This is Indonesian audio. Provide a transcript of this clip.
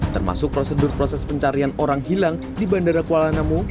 termasuk prosedur proses pencarian orang hilang di bandara kuala namu